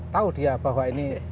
tahu dia bahwa ini